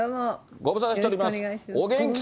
ご無沙汰してます。